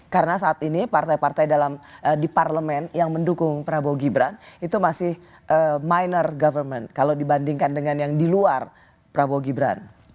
karena saat ini partai partai di parlemen yang mendukung prabowo gibran itu masih minor government kalau dibandingkan dengan yang di luar prabowo gibran